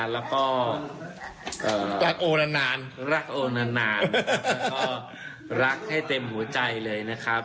แล้วก็รักให้เต็มหัวใจเลยนะครับ